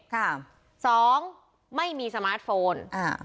ค่ะสองไม่มีสมาร์ทโฟนอ่า